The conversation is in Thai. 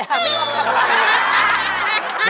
ไม่ยอมทำอะไร